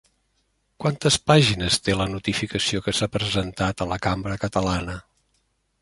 Quantes pàgines té la notificació que s'ha presentat a la cambra catalana?